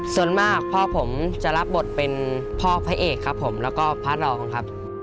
ส่วนมากพ่อผมจะรับบทเป็นพ่อพระเอกครับผมแล้วก็พระรองครับ